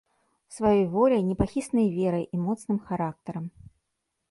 Сваёй воляй, непахіснай верай і моцным характарам.